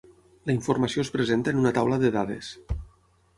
La informació es presenta en una taula de dades.